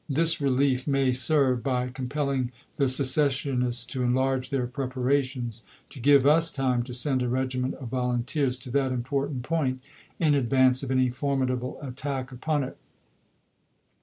This relief may serve, by compelling the secessionists to enlarge their preparations, to give us time to send a regiment of volunteers to that important point, in advance of any formidable attack upon it.